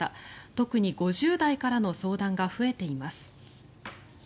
特に５０代からの相談が増えています。